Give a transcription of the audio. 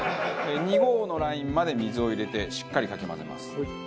２合のラインまで水を入れてしっかりかき混ぜます。